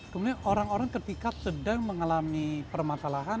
kemudian orang orang ketika sedang mengalami permasalahan